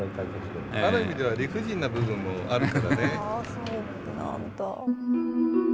ある意味では理不尽な部分もあるからね。